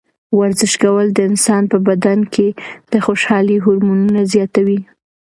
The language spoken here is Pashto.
ورزش کول د انسان په بدن کې د خوشحالۍ هورمونونه زیاتوي.